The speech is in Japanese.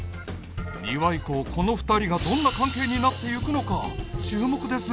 ２話以降この２人がどんな関係になっていくのか注目です